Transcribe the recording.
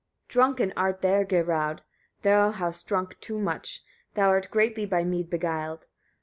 51. Drunken art thou, Geirröd, thou hast drunk too much, thou art greatly by mead beguiled.